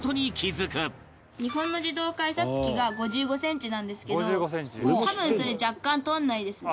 日本の自動改札機が５５センチなんですけど多分それ若干通らないですね。